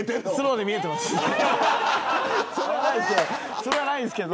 それはないんですけど。